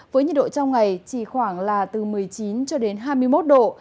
với nhiệt độ trong ngày chỉ khoảng là từ một mươi chín cho đến hai mươi một độ